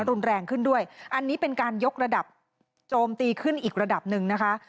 รุนแรงขึ้นด้วยอันนี้เป็นการยกระดับโจมตีขึ้นอีกระดับหนึ่งนะคะ